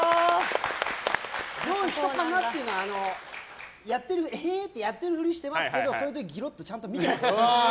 どういう人かなっていうのはへえってやってるふりしてますけどそういう時、ギロッてちゃんと見てますから。